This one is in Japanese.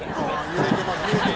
揺れてますね。